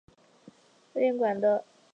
徽典馆的。